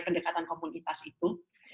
pendekatan komunitas itu